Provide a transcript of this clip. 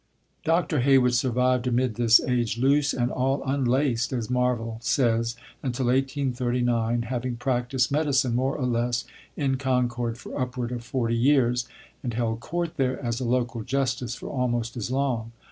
Dr. Heywood survived amid "this age loose and all unlaced," as Marvell says, until 1839, having practiced medicine, more or less, in Concord for upward of forty years, and held court there as a local justice for almost as long.